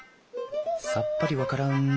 さっぱり分からん。